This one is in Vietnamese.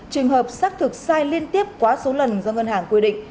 trường hợp xác thực sai liên tiếp quá số lần do ngân hàng quy định